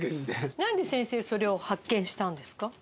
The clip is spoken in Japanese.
なんで先生それを発見したんですか？